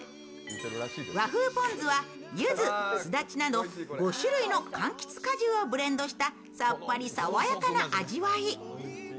和風ぽん酢はゆず、すだちなど５種類のかんきつ果汁をブレンドした、さっぱり爽やかな味わい。